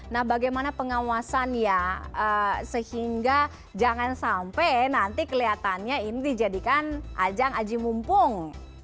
nah bagaimana pengawasannya sehingga jangan sampai nanti kelihatannya ini dijadikan ajang aji mumpung